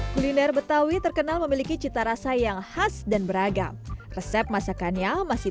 kuliner betawi terkenal memiliki cita rasa yang khas dan beragam resep masakannya masih